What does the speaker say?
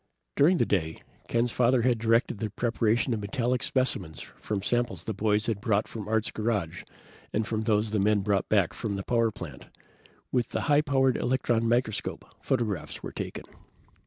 During the day, Ken's father had directed the preparation of metallic specimens from samples the boys had brought from Art's garage and from those the men brought back from the power plant. With the high powered electron microscope, photographs were taken.